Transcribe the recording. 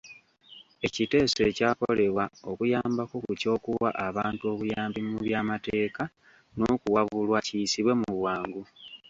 Ekiteeso ekyakolebwa okuyambako ku ky’okuwa abantu obuyambi mu by’amateeka n’okuwabulwa kiyisibwe mu bwangu.